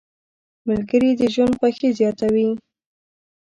ملګري د ژوند خوښي زیاته وي.